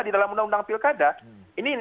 di dalam undang undang pilkada ini